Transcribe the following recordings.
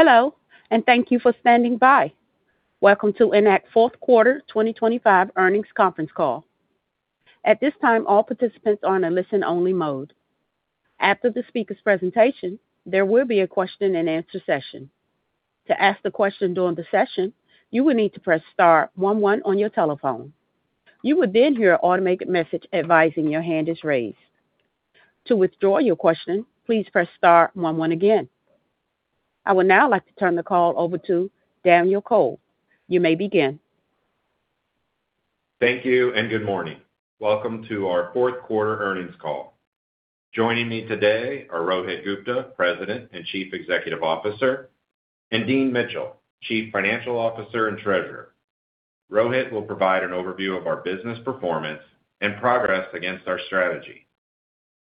Hello, and thank you for standing by. Welcome to Enact Fourth Quarter 2025 earnings conference call. At this time, all participants are in a listen-only mode. After the speaker's presentation, there will be a question-and-answer session. To ask the question during the session, you will need to press star one one on your telephone. You will then hear an automated message advising your hand is raised. To withdraw your question, please press star one one again. I would now like to turn the call over to Daniel Cole. You may begin. Thank you and good morning. Welcome to our fourth quarter earnings call. Joining me today are Rohit Gupta, President and Chief Executive Officer, and Dean Mitchell, Chief Financial Officer and Treasurer. Rohit will provide an overview of our business performance and progress against our strategy.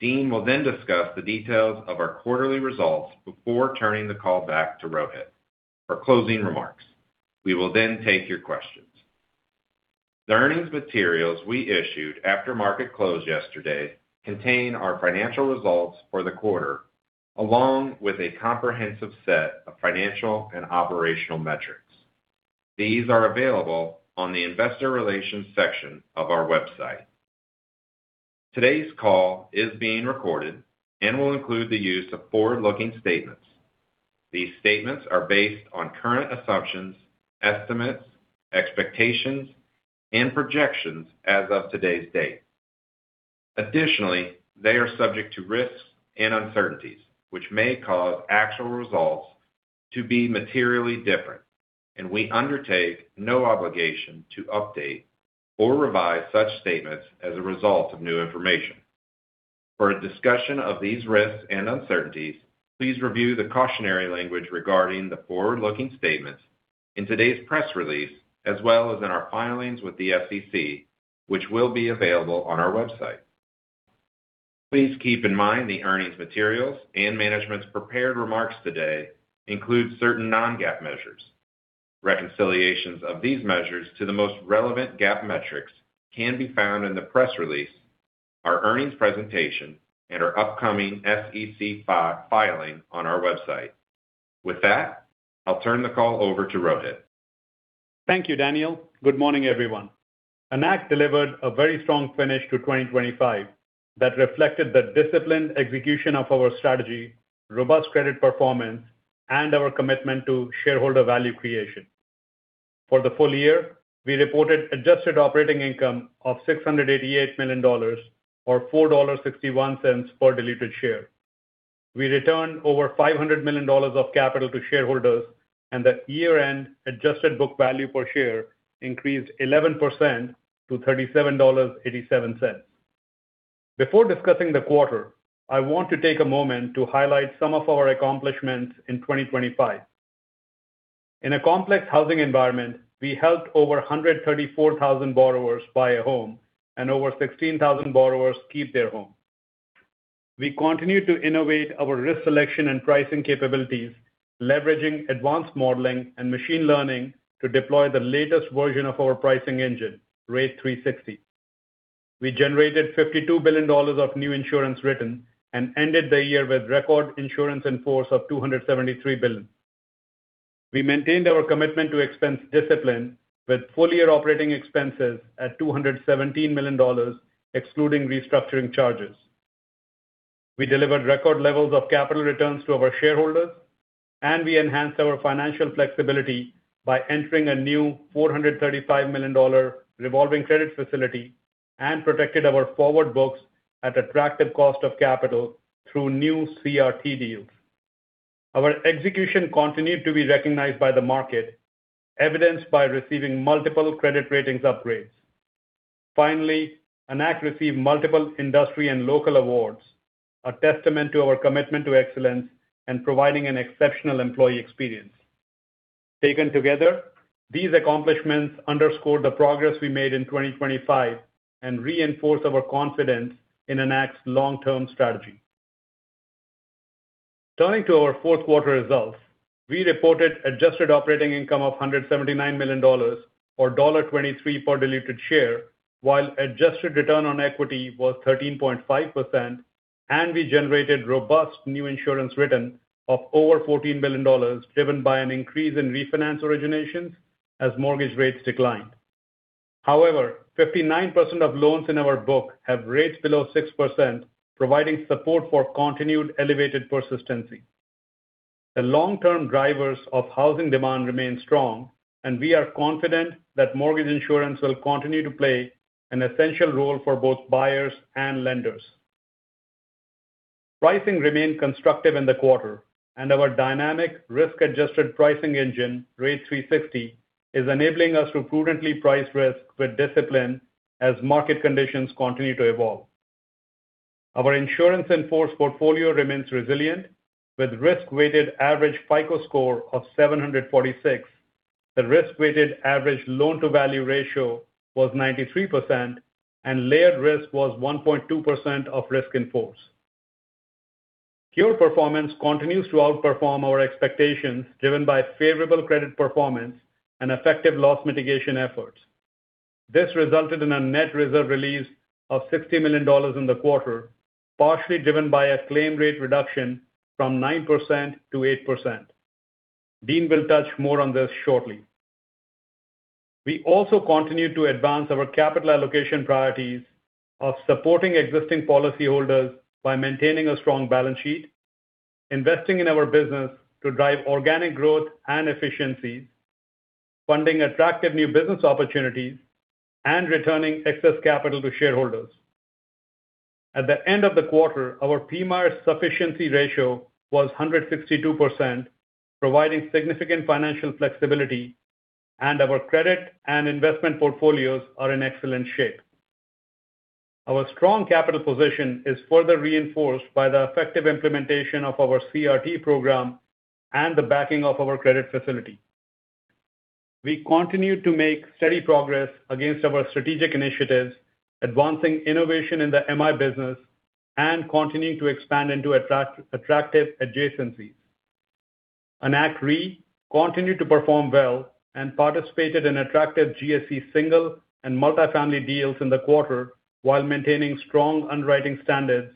Dean will then discuss the details of our quarterly results before turning the call back to Rohit for closing remarks. We will then take your questions. The earnings materials we issued after market close yesterday contain our financial results for the quarter, along with a comprehensive set of financial and operational metrics. These are available on the investor relations section of our website. Today's call is being recorded and will include the use of forward-looking statements. These statements are based on current assumptions, estimates, expectations, and projections as of today's date. Additionally, they are subject to risks and uncertainties, which may cause actual results to be materially different, and we undertake no obligation to update or revise such statements as a result of new information. For a discussion of these risks and uncertainties, please review the cautionary language regarding the forward-looking statements in today's press release, as well as in our filings with the SEC, which will be available on our website. Please keep in mind the earnings materials and management's prepared remarks today include certain non-GAAP measures. Reconciliations of these measures to the most relevant GAAP metrics can be found in the press release, our earnings presentation, and our upcoming SEC filing on our website. With that, I'll turn the call over to Rohit. Thank you, Daniel. Good morning, everyone. Enact delivered a very strong finish to 2025 that reflected the disciplined execution of our strategy, robust credit performance, and our commitment to shareholder value creation. For the full year, we reported adjusted operating income of $688 million or $4.61 per diluted share. We returned over $500 million of capital to shareholders, and the year-end adjusted book value per share increased 11% to $37.87. Before discussing the quarter, I want to take a moment to highlight some of our accomplishments in 2025. In a complex housing environment, we helped over 134,000 borrowers buy a home and over 16,000 borrowers keep their home. We continued to innovate our risk selection and pricing capabilities, leveraging advanced modeling and machine learning to deploy the latest version of our pricing engine, Rate360. We generated $52 billion of new insurance written and ended the year with record insurance in force of $273 billion. We maintained our commitment to expense discipline with full-year operating expenses at $217 million, excluding restructuring charges. We delivered record levels of capital returns to our shareholders, and we enhanced our financial flexibility by entering a new $435 million revolving credit facility and protected our forward books at attractive cost of capital through new CRT deals. Our execution continued to be recognized by the market, evidenced by receiving multiple credit ratings upgrades. Finally, Enact received multiple industry and local awards, a testament to our commitment to excellence and providing an exceptional employee experience. Taken together, these accomplishments underscore the progress we made in 2025 and reinforce our confidence in Enact's long-term strategy. Turning to our fourth quarter results, we reported adjusted operating income of $179 million or $1.23 per diluted share, while adjusted return on equity was 13.5%, and we generated robust new insurance written of over $14 billion, driven by an increase in refinance originations as mortgage rates declined. However, 59% of loans in our book have rates below 6%, providing support for continued elevated persistency. The long-term drivers of housing demand remain strong, and we are confident that mortgage insurance will continue to play an essential role for both buyers and lenders. Pricing remained constructive in the quarter, and our dynamic risk-adjusted pricing engine, Rate360, is enabling us to prudently price risk with discipline as market conditions continue to evolve. Our insurance in-force portfolio remains resilient, with risk-weighted average FICO score of 746. The risk-weighted average loan-to-value ratio was 93%, and layered risk was 1.2% of insurance in force. Credit performance continues to outperform our expectations, driven by favorable credit performance and effective loss mitigation efforts. This resulted in a net reserve release of $60 million in the quarter, partially driven by a claim rate reduction from 9% to 8%. Dean will touch more on this shortly. We also continued to advance our capital allocation priorities of supporting existing policyholders by maintaining a strong balance sheet, investing in our business to drive organic growth and efficiencies, funding attractive new business opportunities, and returning excess capital to shareholders. At the end of the quarter, our PMIER sufficiency ratio was 162%, providing significant financial flexibility, and our credit and investment portfolios are in excellent shape. Our strong capital position is further reinforced by the effective implementation of our CRT program and the backing of our credit facility. We continue to make steady progress against our strategic initiatives, advancing innovation in the MI business and continuing to expand into attractive adjacencies. Enact Re continued to perform well and participated in attractive GSE single and multifamily deals in the quarter, while maintaining strong underwriting standards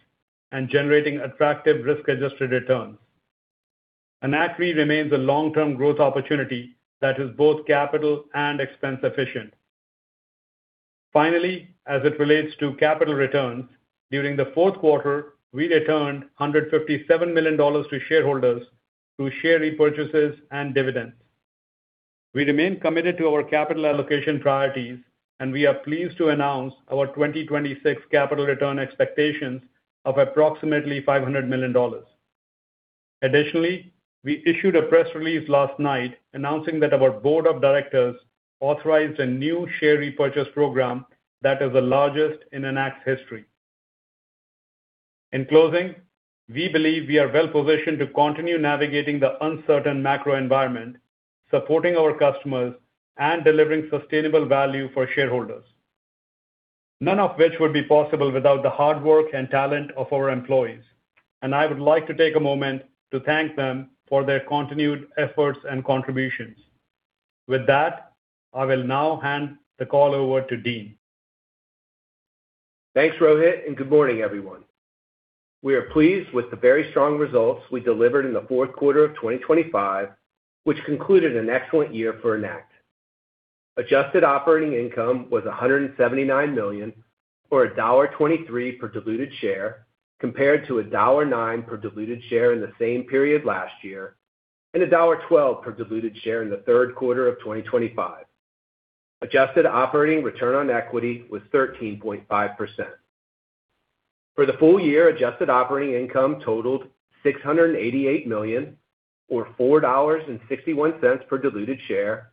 and generating attractive risk-adjusted returns. Enact Re remains a long-term growth opportunity that is both capital and expense efficient. Finally, as it relates to capital returns, during the fourth quarter, we returned $157 million to shareholders through share repurchases and dividends. We remain committed to our capital allocation priorities, and we are pleased to announce our 2026 capital return expectations of approximately $500 million. Additionally, we issued a press release last night announcing that our board of directors authorized a new share repurchase program that is the largest in Enact's history. In closing, we believe we are well positioned to continue navigating the uncertain macro environment, supporting our customers, and delivering sustainable value for shareholders, none of which would be possible without the hard work and talent of our employees, and I would like to take a moment to thank them for their continued efforts and contributions. With that, I will now hand the call over to Dean. Thanks, Rohit, and good morning, everyone. We are pleased with the very strong results we delivered in the fourth quarter of 2025, which concluded an excellent year for Enact. Adjusted operating income was $179 million, or $1.23 per diluted share, compared to $1.09 per diluted share in the same period last year and $1.12 per diluted share in the third quarter of 2025. Adjusted operating return on equity was 13.5%. For the full year, adjusted operating income totaled $688 million, or $4.61 per diluted share,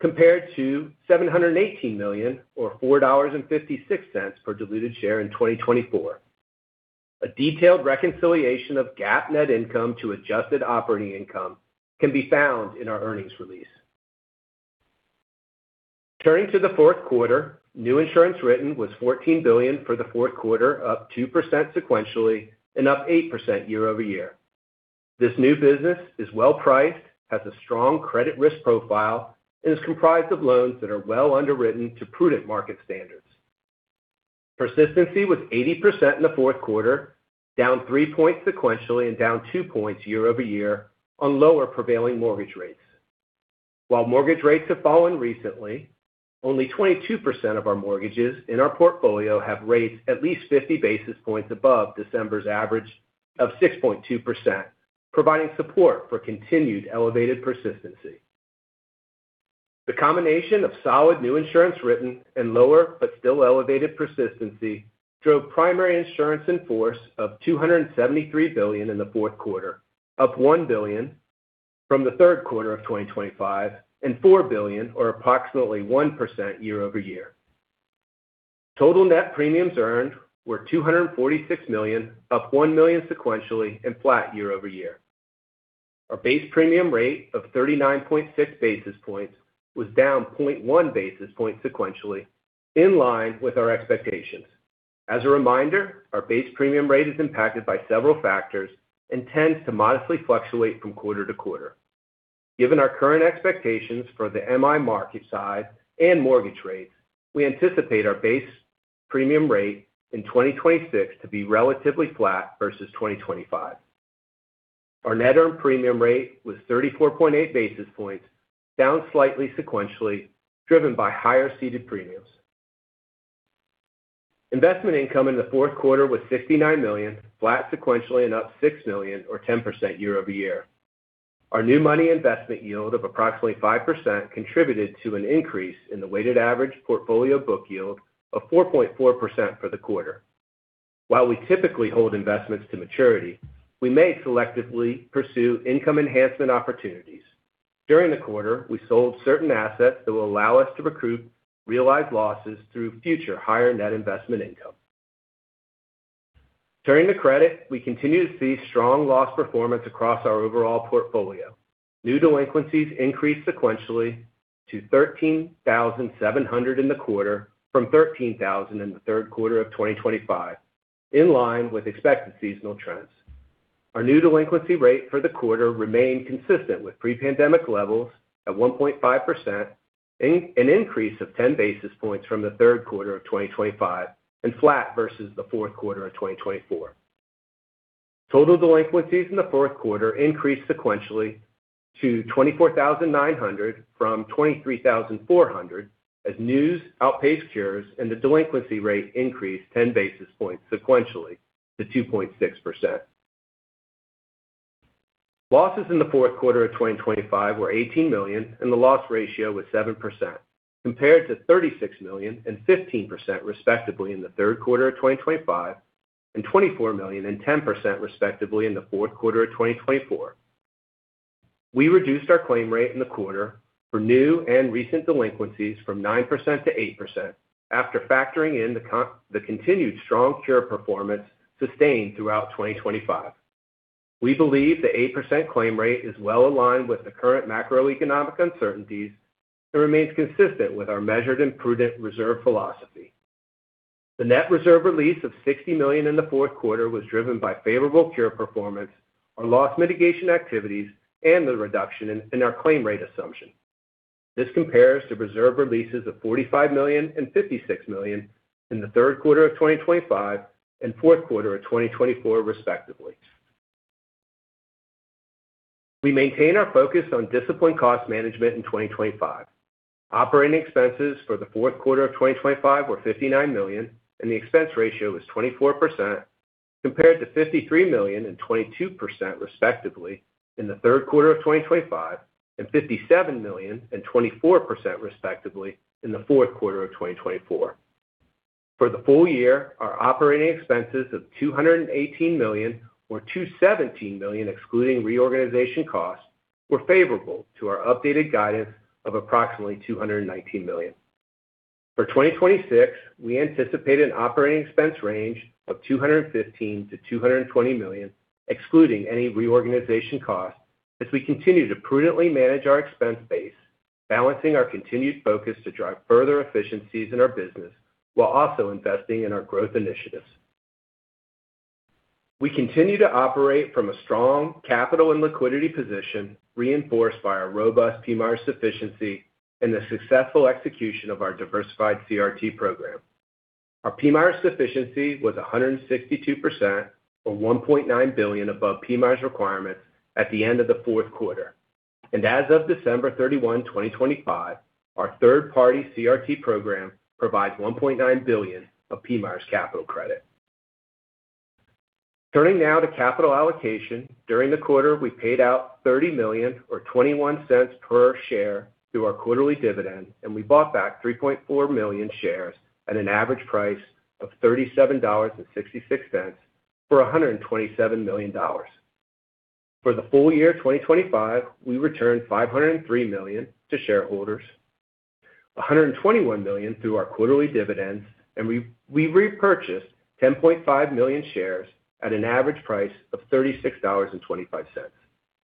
compared to $718 million, or $4.56 per diluted share in 2024. A detailed reconciliation of GAAP net income to adjusted operating income can be found in our earnings release. Turning to the fourth quarter, new insurance written was $14 billion for the fourth quarter, up 2% sequentially and up 8% year-over-year. This new business is well priced, has a strong credit risk profile, and is comprised of loans that are well underwritten to prudent market standards. Persistency was 80% in the fourth quarter, down 3 points sequentially and down 2 points year-over-year on lower prevailing mortgage rates. While mortgage rates have fallen recently, only 22% of our mortgages in our portfolio have rates at least 50 basis points above December's average of 6.2%, providing support for continued elevated persistency. The combination of solid new insurance written and lower but still elevated persistency drove primary insurance in force of $273 billion in the fourth quarter, up $1 billion from the third quarter of 2025, and $4 billion, or approximately 1% year-over-year. Total net premiums earned were $246 million, up $1 million sequentially and flat year-over-year. Our base premium rate of 39.6 basis points was down 0.1 basis points sequentially, in line with our expectations. As a reminder, our base premium rate is impacted by several factors and tends to modestly fluctuate from quarter to quarter. Given our current expectations for the MI market size and mortgage rates, we anticipate our base premium rate in 2026 to be relatively flat versus 2025. Our net earned premium rate was 34.8 basis points, down slightly sequentially, driven by higher ceded premiums. Investment income in the fourth quarter was $69 million, flat sequentially and up $6 million, or 10% year-over-year. Our new money investment yield of approximately 5% contributed to an increase in the weighted average portfolio book yield of 4.4% for the quarter. While we typically hold investments to maturity, we may selectively pursue income enhancement opportunities. During the quarter, we sold certain assets that will allow us to recoup realized losses through future higher net investment income. Turning to credit, we continue to see strong loss performance across our overall portfolio. New delinquencies increased sequentially to 13,700 in the quarter from 13,000 in the third quarter of 2025, in line with expected seasonal trends. Our new delinquency rate for the quarter remained consistent with pre-pandemic levels at 1.5%, an increase of 10 basis points from the third quarter of 2025, and flat versus the fourth quarter of 2024. Total delinquencies in the fourth quarter increased sequentially to 24,900 from 23,400, as new outpaced cures and the delinquency rate increased 10 basis points sequentially to 2.6%. Losses in the fourth quarter of 2025 were $18 million, and the loss ratio was 7%, compared to $36 million and 15% respectively in the third quarter of 2025, and $24 million and 10% respectively in the fourth quarter of 2024. We reduced our claim rate in the quarter for new and recent delinquencies from 9% to 8%, after factoring in the continued strong cure performance sustained throughout 2025. We believe the 8% claim rate is well aligned with the current macroeconomic uncertainties and remains consistent with our measured and prudent reserve philosophy. The net reserve release of $60 million in the fourth quarter was driven by favorable cure performance, our loss mitigation activities, and the reduction in our claim rate assumption. This compares to reserve releases of $45 million and $56 million in the third quarter of 2025 and fourth quarter of 2024, respectively. We maintain our focus on disciplined cost management in 2025. Operating expenses for the fourth quarter of 2025 were $59 million, and the expense ratio was 24%, compared to $53 million and 22% respectively in the third quarter of 2025, and $57 million and 24% respectively in the fourth quarter of 2024. For the full year, our operating expenses of $218 million or $217 million, excluding reorganization costs, were favorable to our updated guidance of approximately $219 million. For 2026, we anticipate an operating expense range of $215 million-$220 million, excluding any reorganization costs, as we continue to prudently manage our expense base, balancing our continued focus to drive further efficiencies in our business while also investing in our growth initiatives. We continue to operate from a strong capital and liquidity position, reinforced by our robust PMIER sufficiency and the successful execution of our diversified CRT program. Our PMIER sufficiency was 162%, or $1.9 billion above PMIERs requirements at the end of the fourth quarter. As of December 31, 2025, our third-party CRT program provides $1.9 billion of PMIERs capital credit. Turning now to capital allocation. During the quarter, we paid out $30 million or $0.21 per share through our quarterly dividend, and we bought back 3.4 million shares at an average price of $37.66 for $127 million. For the full year 2025, we returned $503 million to shareholders, $121 million through our quarterly dividends, and we repurchased 10.5 million shares at an average price of $36.25,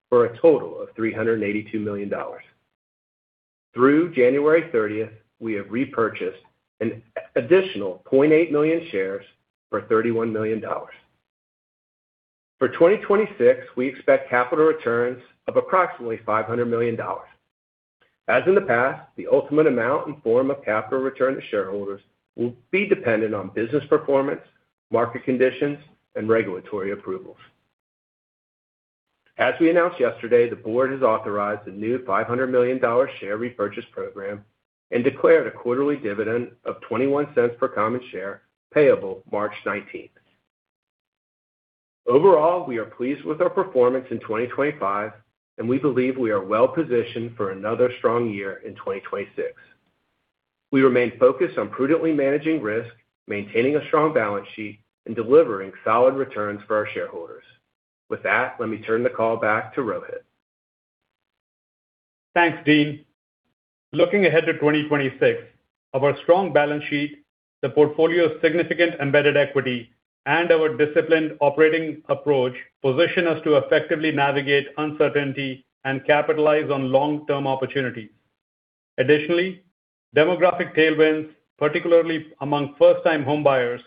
for a total of $382 million. Through January 30, we have repurchased an additional 0.8 million shares for $31 million. For 2026, we expect capital returns of approximately $500 million. As in the past, the ultimate amount and form of capital return to shareholders will be dependent on business performance, market conditions, and regulatory approvals. As we announced yesterday, the board has authorized a new $500 million share repurchase program and declared a quarterly dividend of $0.21 per common share, payable March 19. Overall, we are pleased with our performance in 2025, and we believe we are well positioned for another strong year in 2026. We remain focused on prudently managing risk, maintaining a strong balance sheet, and delivering solid returns for our shareholders. With that, let me turn the call back to Rohit. Thanks, Dean. Looking ahead to 2026, our strong balance sheet, the portfolio of significant embedded equity, and our disciplined operating approach position us to effectively navigate uncertainty and capitalize on long-term opportunities. Additionally, demographic tailwinds, particularly among first-time homebuyers,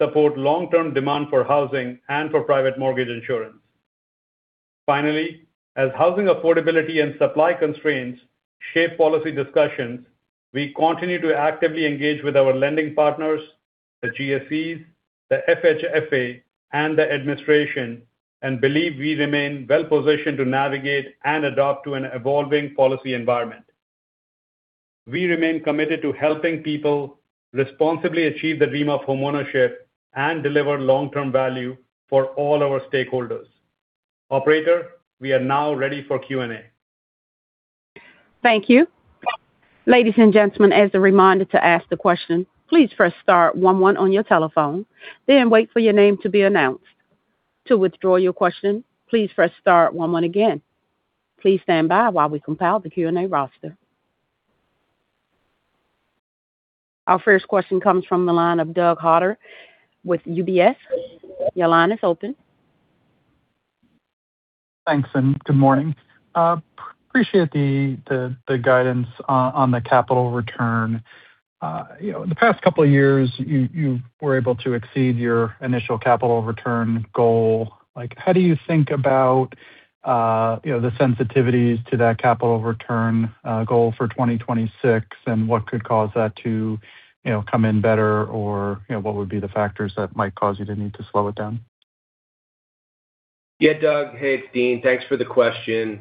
support long-term demand for housing and for private mortgage insurance. Finally, as housing affordability and supply constraints shape policy discussions, we continue to actively engage with our lending partners, the GSEs, the FHFA, and the administration, and believe we remain well positioned to navigate and adapt to an evolving policy environment. We remain committed to helping people responsibly achieve the dream of homeownership and deliver long-term value for all our stakeholders. Operator, we are now ready for Q&A. Thank you. Ladies and gentlemen, as a reminder to ask the question, please press star one one on your telephone, then wait for your name to be announced. To withdraw your question, please press star one one again. Please stand by while we compile the Q&A roster. Our first question comes from the line of Doug Harter with UBS. Your line is open.... Thanks, and good morning. Appreciate the guidance on the capital return. You know, in the past couple of years, you were able to exceed your initial capital return goal. Like, how do you think about, you know, the sensitivities to that capital return goal for 2026? And what could cause that to, you know, come in better, or, you know, what would be the factors that might cause you to need to slow it down? Yeah, Doug. Hey, it's Dean. Thanks for the question.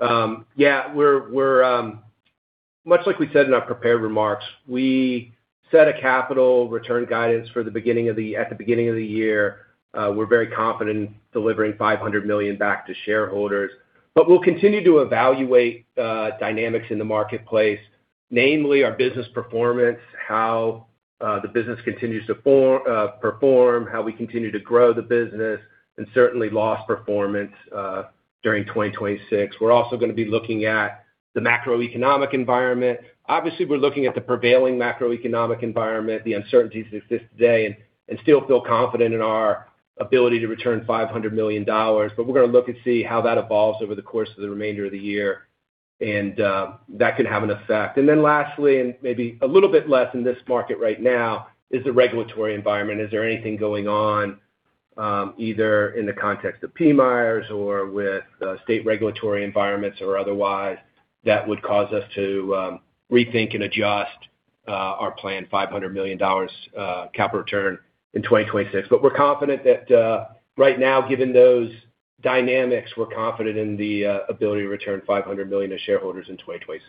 Yeah, we're much like we said in our prepared remarks, we set a capital return guidance for the beginning of the year. We're very confident in delivering $500 million back to shareholders. But we'll continue to evaluate dynamics in the marketplace, namely our business performance, how the business continues to perform, how we continue to grow the business, and certainly loss performance during 2026. We're also gonna be looking at the macroeconomic environment. Obviously, we're looking at the prevailing macroeconomic environment, the uncertainties that exist today, and still feel confident in our ability to return $500 million. But we're gonna look and see how that evolves over the course of the remainder of the year, and that could have an effect. Then lastly, and maybe a little bit less in this market right now, is the regulatory environment. Is there anything going on either in the context of PMIERs or with state regulatory environments or otherwise, that would cause us to rethink and adjust our planned $500 million capital return in 2026? But we're confident that right now, given those dynamics, we're confident in the ability to return $500 million to shareholders in 2026.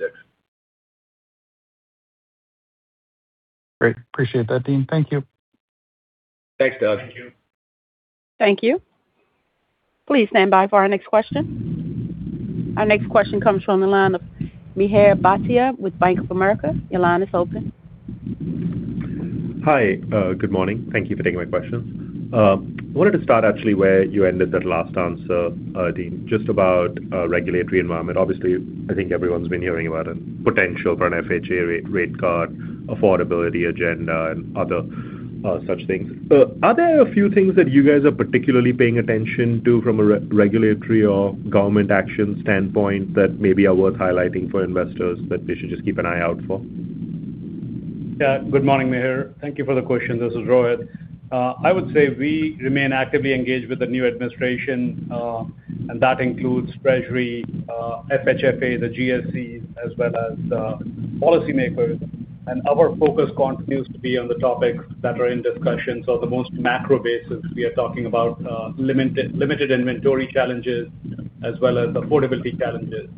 Great. Appreciate that, Dean. Thank you. Thanks, Doug. Thank you. Please stand by for our next question. Our next question comes from the line of Mihir Bhatia with Bank of America. Your line is open. Hi, good morning. Thank you for taking my question. I wanted to start actually where you ended that last answer, Dean, just about regulatory environment. Obviously, I think everyone's been hearing about a potential for an FHA re-rate cut, affordability agenda, and other such things. Are there a few things that you guys are particularly paying attention to from a regulatory or government action standpoint that maybe are worth highlighting for investors, that they should just keep an eye out for? Yeah, good morning, Mihir. Thank you for the question. This is Rohit. I would say we remain actively engaged with the new administration, and that includes Treasury, FHFA, the GSE, as well as policymakers. And our focus continues to be on the topics that are in discussion. So the most macro basis, we are talking about limited inventory challenges as well as affordability challenges.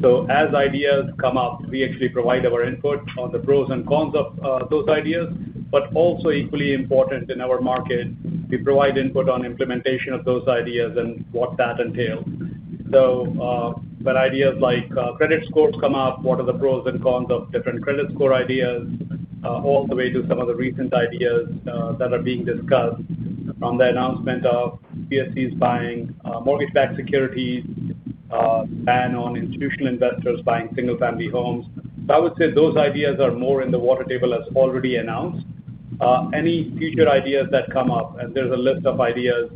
So as ideas come up, we actually provide our input on the pros and cons of those ideas, but also equally important in our market, we provide input on implementation of those ideas and what that entails. So, but ideas like credit scores come up, what are the pros and cons of different credit score ideas, all the way to some of the recent ideas that are being discussed from the announcement of GSEs buying mortgage-backed securities, ban on institutional investors buying single-family homes. So I would say those ideas are more on the table, as already announced. Any future ideas that come up, and there's a list of ideas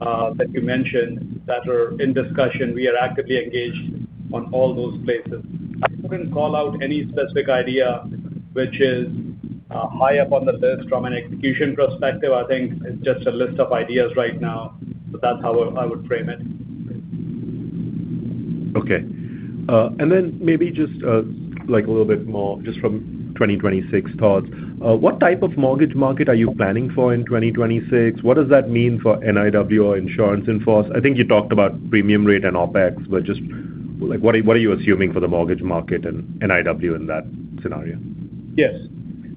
that you mentioned that are in discussion, we are actively engaged on all those places. I couldn't call out any specific idea which is high up on the list from an execution perspective. I think it's just a list of ideas right now, but that's how I, I would frame it. Okay. And then maybe just, like a little bit more just from 2026 thoughts. What type of mortgage market are you planning for in 2026? What does that mean for NIW or insurance in force? I think you talked about premium rate and OpEx, but just like, what are, what are you assuming for the mortgage market and NIW in that scenario? Yes.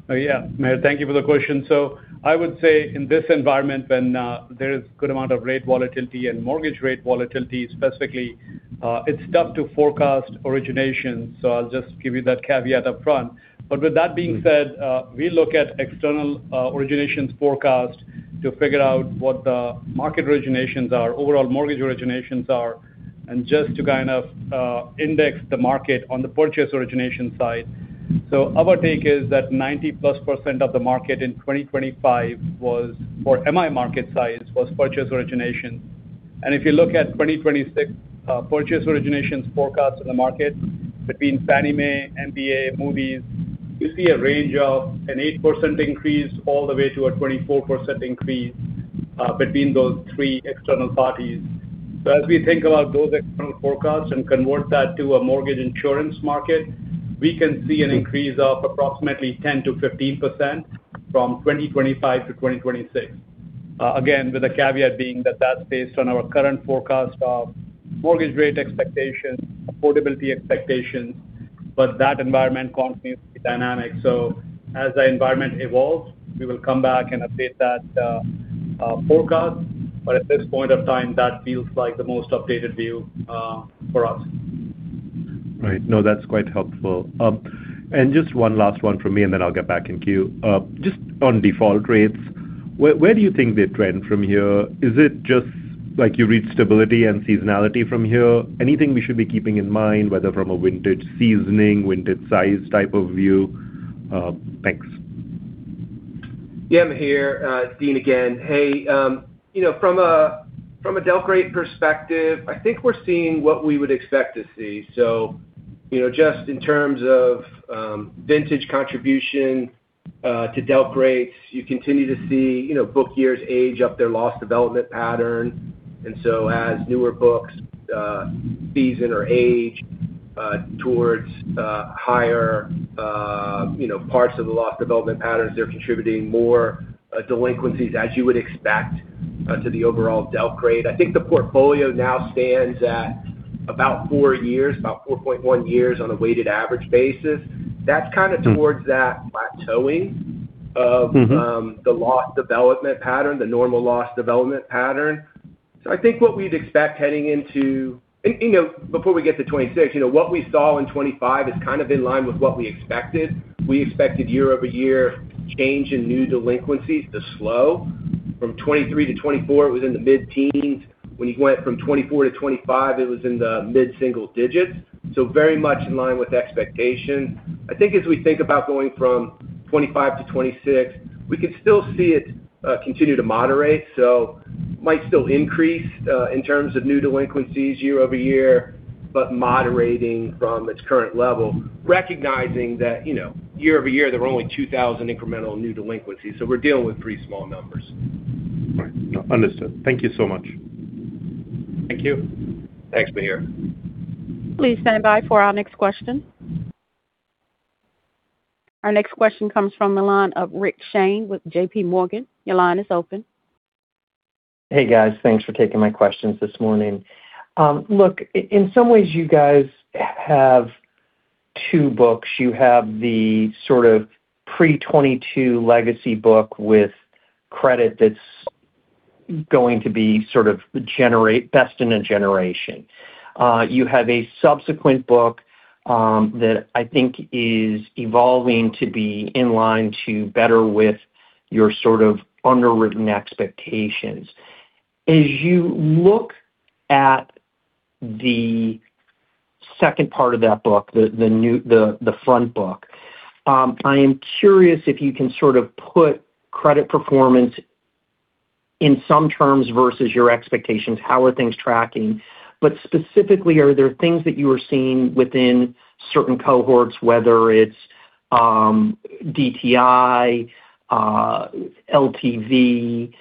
Yeah, Mihir, thank you for the question. So I would say in this environment, when there is a good amount of rate volatility and mortgage rate volatility specifically, it's tough to forecast origination, so I'll just give you that caveat upfront. But with that being said, we look at external originations forecast to figure out what the market originations are, overall mortgage originations are, and just to kind of index the market on the purchase origination side. So our take is that 90+% of the market in 2025 was, for MI market size, was purchase origination. And if you look at 2026, purchase origination forecasts in the market between Fannie Mae, MBA, Moody's, you see a range of an 8% increase all the way to a 24% increase, between those three external parties. So as we think about those external forecasts and convert that to a mortgage insurance market, we can see an increase of approximately 10%-15% from 2025 to 2026. Again, with the caveat being that that's based on our current forecast of mortgage rate expectations, affordability expectations, but that environment continues to be dynamic. So as the environment evolves, we will come back and update that forecast, but at this point of time, that feels like the most updated view, for us. Right. No, that's quite helpful. And just one last one from me, and then I'll get back in queue. Just on default rates, where, where do you think they trend from here? Is it just like you read stability and seasonality from here? Anything we should be keeping in mind, whether from a vintage seasoning, vintage size type of view? Thanks.... Yeah, I'm here. Dean again. Hey, you know, from a delq perspective, I think we're seeing what we would expect to see. So, you know, just in terms of vintage contribution to delqs, you continue to see, you know, book years age up their loss development pattern. And so as newer books season or age towards higher, you know, parts of the loss development patterns, they're contributing more delinquencies, as you would expect, to the overall delq. I think the portfolio now stands at about 4 years, about 4.1 years on a weighted average basis. That's kinda towards that plateauing of- Mm-hmm. The loss development pattern, the normal loss development pattern. So I think what we'd expect heading into—and, you know, before we get to 2026, you know, what we saw in 2025 is kind of in line with what we expected. We expected year-over-year change in new delinquencies to slow. From 2023 to 2024, it was in the mid-teens. When you went from 2024 to 2025, it was in the mid-single digits. So very much in line with expectations. I think as we think about going from 2025 to 2026, we can still see it continue to moderate, so might still increase in terms of new delinquencies year over year, but moderating from its current level, recognizing that, you know, year over year, there were only 2,000 incremental new delinquencies, so we're dealing with pretty small numbers. Right. No, understood. Thank you so much. Thank you. Thanks, Mihir. Please stand by for our next question. Our next question comes from the line of Rick Shane with J.P. Morgan. Your line is open. Hey, guys. Thanks for taking my questions this morning. Look, in some ways, you guys have two books. You have the sort of pre-2022 legacy book with credit that's going to be sort of the best in a generation. You have a subsequent book that I think is evolving to be in line to better with your sort of underwritten expectations. As you look at the second part of that book, the new, the front book, I am curious if you can sort of put credit performance in some terms versus your expectations. How are things tracking? But specifically, are there things that you are seeing within certain cohorts, whether it's DTI, LTV,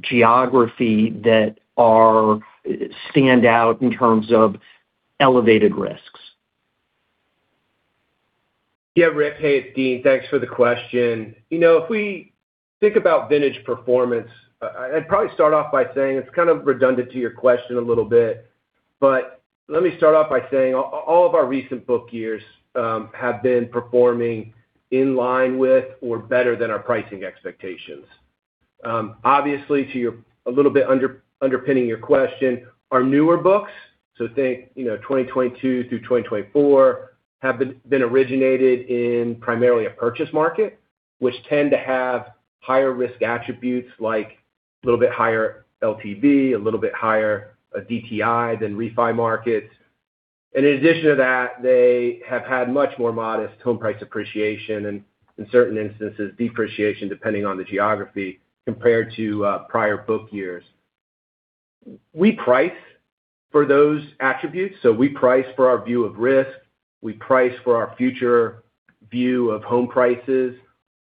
geography, that stand out in terms of elevated risks? Yeah, Rick. Hey, it's Dean. Thanks for the question. You know, if we think about vintage performance, I'd probably start off by saying it's kind of redundant to your question a little bit, but let me start off by saying all of our recent book years have been performing in line with or better than our pricing expectations. Obviously, to your a little bit underpinning your question, our newer books, so think, you know, 2022 through 2024, have been originated in primarily a purchase market, which tend to have higher risk attributes, like a little bit higher LTV, a little bit higher DTI than refi markets. And in addition to that, they have had much more modest home price appreciation, and in certain instances, depreciation, depending on the geography, compared to prior book years. We price for those attributes, so we price for our view of risk, we price for our future view of home prices,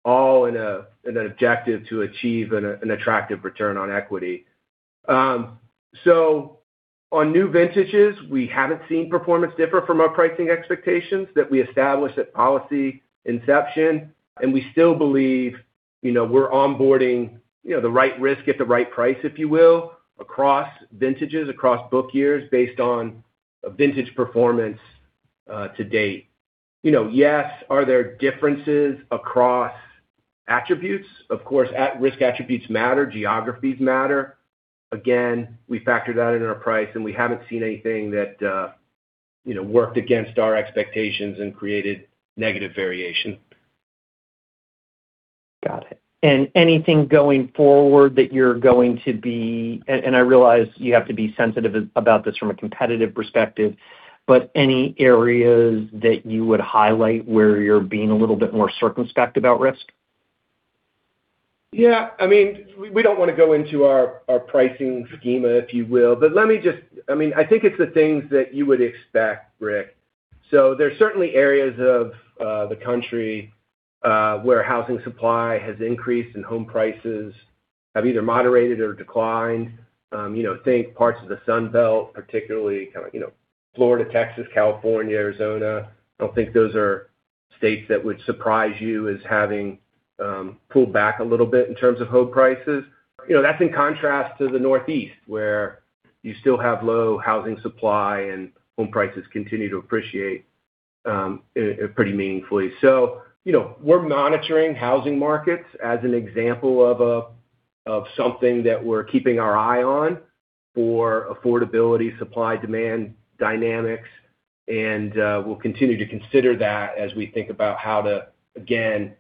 all in an objective to achieve an attractive return on equity. So on new vintages, we haven't seen performance differ from our pricing expectations that we established at policy inception, and we still believe, you know, we're onboarding, you know, the right risk at the right price, if you will, across vintages, across book years, based on a vintage performance to date. You know, yes, are there differences across attributes? Of course, at-risk attributes matter, geographies matter. Again, we factor that into our price, and we haven't seen anything that, you know, worked against our expectations and created negative variation. Got it. Anything going forward that you're going to be... And I realize you have to be sensitive about this from a competitive perspective, but any areas that you would highlight where you're being a little bit more circumspect about risk? Yeah, I mean, we don't wanna go into our pricing schema, if you will, but let me just, I mean, I think it's the things that you would expect, Rick. So there's certainly areas of the country where housing supply has increased and home prices have either moderated or declined. You know, think parts of the Sun Belt, particularly, kind of, you know, Florida, Texas, California, Arizona. I don't think those are states that would surprise you as having pulled back a little bit in terms of home prices. You know, that's in contrast to the Northeast, where you still have low housing supply and home prices continue to appreciate, quite meaningfully. So, you know, we're monitoring housing markets as an example of something that we're keeping our eye on for affordability, supply, demand, dynamics, and we'll continue to consider that as we think about how to, again,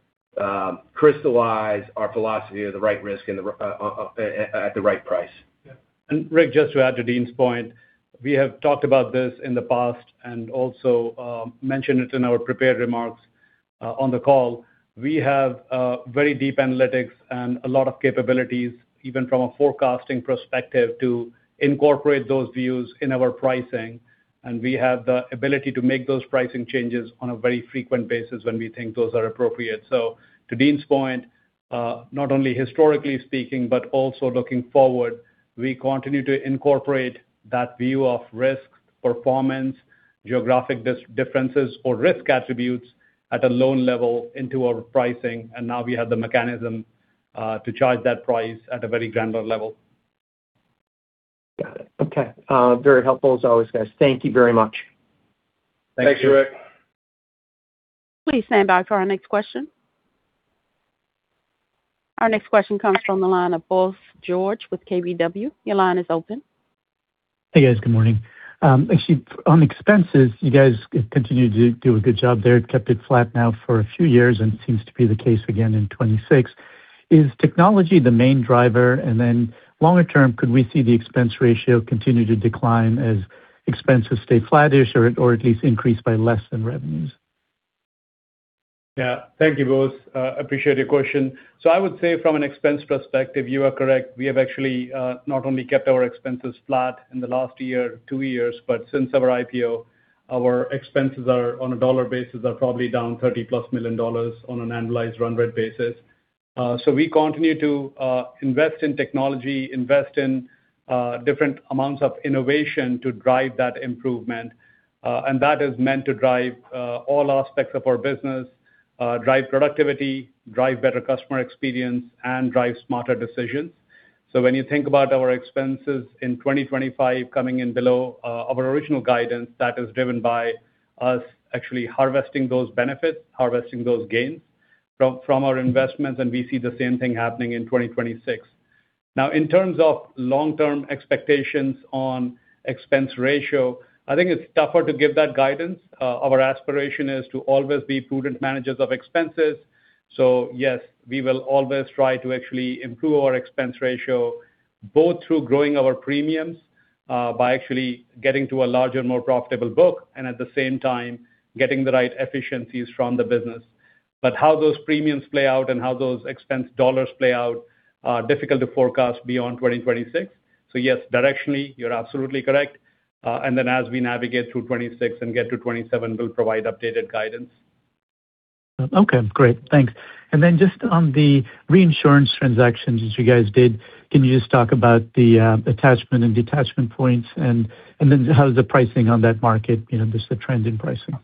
crystallize our philosophy of the right risk and the right price. And Rick, just to add to Dean's point, we have talked about this in the past and also mentioned it in our prepared remarks on the call. We have very deep analytics and a lot of capabilities, even from a forecasting perspective, to incorporate those views in our pricing, and we have the ability to make those pricing changes on a very frequent basis when we think those are appropriate. So to Dean's point, not only historically speaking, but also looking forward, we continue to incorporate that view of risk, performance, geographic differences, or risk attributes at a loan level into our pricing, and now we have the mechanism to charge that price at a very granular level. Got it. Okay, very helpful as always, guys. Thank you very much. Thanks. Thanks, Rick. Please stand by for our next question. Our next question comes from the line of Bose George with KBW. Your line is open. Hey, guys. Good morning. Actually, on expenses, you guys continue to do a good job there. Kept it flat now for a few years, and it seems to be the case again in 2026. Is technology the main driver? And then longer term, could we see the expense ratio continue to decline as expenses stay flat-ish or at least increase by less than revenues? Yeah. Thank you, Bose. Appreciate your question. So I would say from an expense perspective, you are correct. We have actually, not only kept our expenses flat in the last year, two years, but since our IPO, our expenses are, on a dollar basis, are probably down $30+ million on an annualized run rate basis. So we continue to, invest in technology, invest in, different amounts of innovation to drive that improvement. And that is meant to drive, all aspects of our business, drive productivity, drive better customer experience, and drive smarter decisions. So when you think about our expenses in 2025 coming in below, our original guidance, that is driven by us actually harvesting those benefits, harvesting those gains from, from our investments, and we see the same thing happening in 2026. Now, in terms of long-term expectations on expense ratio, I think it's tougher to give that guidance. Our aspiration is to always be prudent managers of expenses. So yes, we will always try to actually improve our expense ratio, both through growing our premiums, by actually getting to a larger, more profitable book, and at the same time, getting the right efficiencies from the business. But how those premiums play out and how those expense dollars play out are difficult to forecast beyond 2026. So yes, directionally, you're absolutely correct. And then as we navigate through 2026 and get to 2027, we'll provide updated guidance. Okay, great. Thanks. And then just on the reinsurance transactions that you guys did, can you just talk about the attachment and detachment points? And then how is the pricing on that market, you know, just the trend in pricing?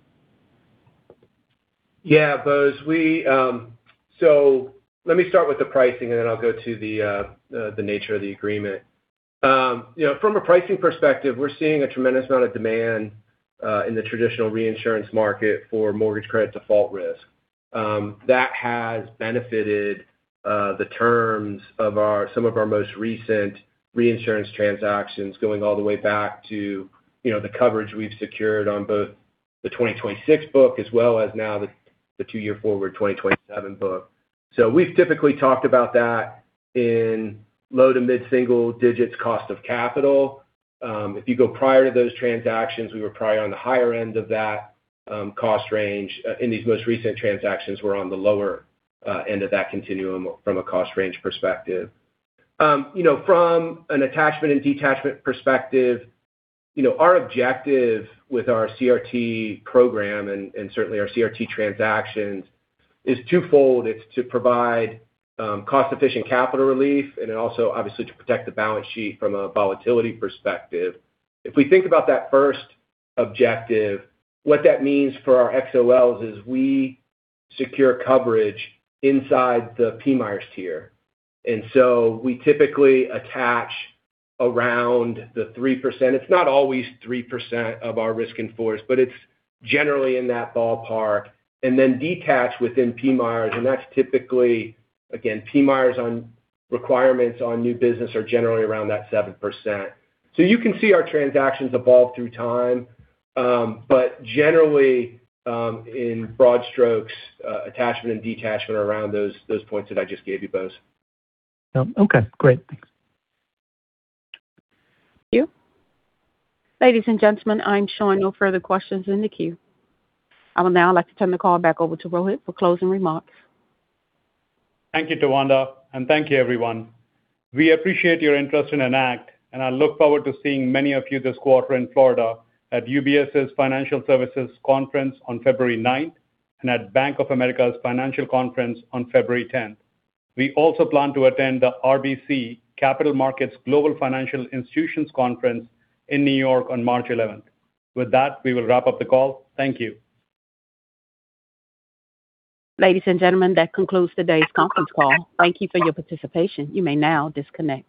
Yeah, Bose, we. So let me start with the pricing, and then I'll go to the nature of the agreement. You know, from a pricing perspective, we're seeing a tremendous amount of demand in the traditional reinsurance market for mortgage credit default risk. That has benefited the terms of our, some of our most recent reinsurance transactions, going all the way back to, you know, the coverage we've secured on both the 2026 book as well as now the two-year forward, 2027 book. So we've typically talked about that in low- to mid-single digits cost of capital. If you go prior to those transactions, we were probably on the higher end of that cost range. In these most recent transactions, we're on the lower end of that continuum from a cost range perspective. You know, from an attachment and detachment perspective, you know, our objective with our CRT program and, and certainly our CRT transactions is twofold. It's to provide cost-efficient capital relief, and then also, obviously, to protect the balance sheet from a volatility perspective. If we think about that first objective, what that means for our XOLs is we secure coverage inside the PMIERs tier. And so we typically attach around the 3%. It's not always 3% of our risk in force, but it's generally in that ballpark, and then detach within PMIERs, and that's typically... Again, PMIERs on requirements on new business are generally around that 7%. So you can see our transactions evolve through time, but generally, in broad strokes, attachment and detachment are around those, those points that I just gave you, Bose. Okay. Great. Thanks. Thank you. Ladies and gentlemen, I'm showing no further questions in the queue. I would now like to turn the call back over to Rohit for closing remarks. Thank you, Tawanda, and thank you, everyone. We appreciate your interest in Enact, and I look forward to seeing many of you this quarter in Florida at UBS's Financial Services Conference on February ninth and at Bank of America's Financial Conference on February tenth. We also plan to attend the RBC Capital Markets Global Financial Institutions Conference in New York on March eleventh. With that, we will wrap up the call. Thank you. Ladies and gentlemen, that concludes today's conference call. Thank you for your participation. You may now disconnect.